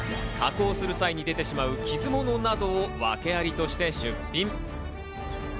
加工する際に出てしまうキズ物などを訳ありとして出品。